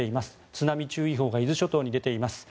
津波注意報が伊豆諸島に出ています。